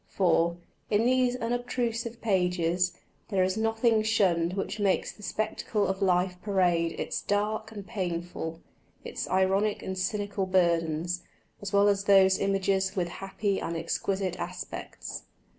For, in these unobtrusive pages, there is nothing shunned which makes the spectacle of life parade its dark and painful, its ironic and cynical burdens, as well as those images with happy and exquisite aspects.